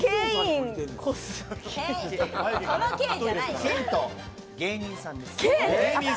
ヒント、芸人さんです。